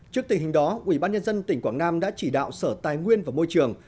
trước tình hình đó ubnd tỉnh quảng nam đã chỉ đạo sở tài nguyên và môi trường